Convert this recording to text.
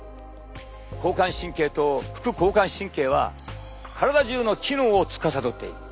交感神経と副交感神経は体中の機能をつかさどっている。